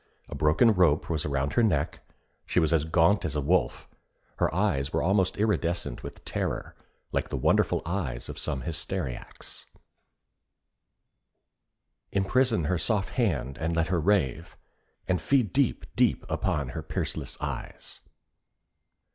A broken rope was around her neck; she was as gaunt as a wolf; her eyes were almost iridescent with terror, like the wonderful eyes of some hysteriacs. Imprison her soft hand and let her rave, And feed deep, deep upon her peerless eyes!